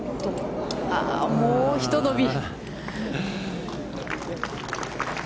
ああ、もうひと伸び。